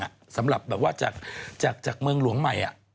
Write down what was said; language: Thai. สำหรับแบบว่าจากเมืองหลวงใหม่